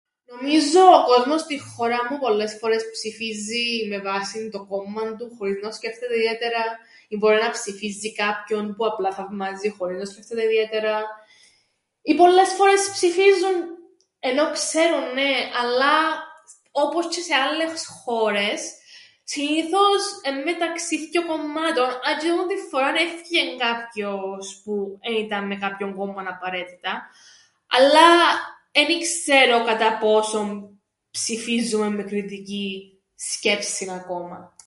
Νομίζω ο κόσμος στην χώραν μου πολλές φορές ψηφίζει με βάσην το κόμμαν του χωρίς να το σκέφτεται ιδιαίτερα, ή μπορεί να ψηφίζει κάποιον που απλά θαυμάζει χωρίς να το σκέφτεται ιδιαίτερα, ή πολλές φορές ψηφίζουν ενώ ξέρουν νναι, αλλά όπως τζ̆αι σε άλλες χώρες συνήθως εν' μεταξύ θκυο κομμάτων αν τζ̆αι τούντην φοράν έφκηκεν κάποιος που εν ήταν με κάποιον κόμμαν απαραίτητα αλλά εν ι-ξέρω κατά πόσον ψηφίζουμεν με κριτικήν σκέψην ακόμα.